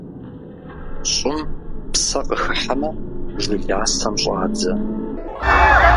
ЩӀым псэ къыхыхьэмэ, жыласэм щӀадзэ.